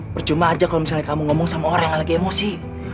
percuma aja kalau misalnya kamu ngomong sama orang yang lagi emosi